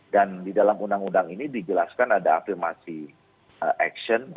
dan di dalam undang undang ini dijelaskan ada afirmasi action